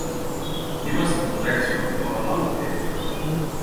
Nærast eit prosjekt som vil vare langt inn i påska.